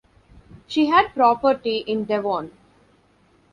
She had property in Devon.